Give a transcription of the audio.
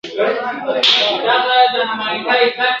ناروا ورته عادي سم غم یې نه خوري !.